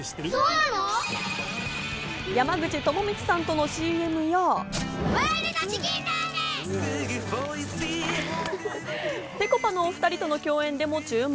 山口智充さんとのＣＭや、ぺこぱのお二人との共演でも注目。